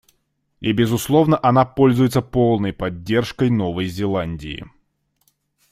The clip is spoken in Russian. И безусловно, она пользуется полной поддержкой Новой Зеландии.